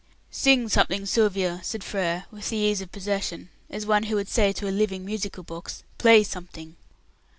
"Sing something, Sylvia!" said Frere, with the ease of possession, as one who should say to a living musical box, "Play something."